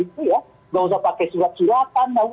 tidak usah pakai surat suratan